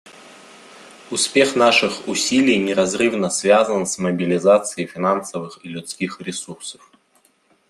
Успех наших усилий неразрывно связан с мобилизацией финансовых и людских ресурсов.